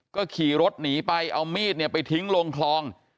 ก็ขี่รถหนีไปเอามีดเนี่ยไปทิ้งลงคลอง